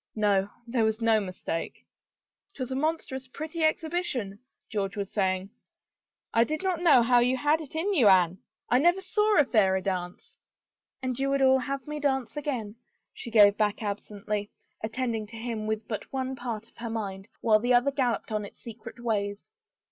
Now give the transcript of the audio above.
No, there was no mistake 1 Twas a monstrous pretty exhibition," George was saying. " I did not know you had it in you, Anne. I never saw a fairer dance." " And you would all have me dance again," she gave back absently, attending to him with but one part of her mind, while the other galloped on its secret ways.